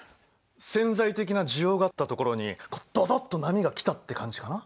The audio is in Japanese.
潜在的な需要があったところにドドッと波が来たって感じかな。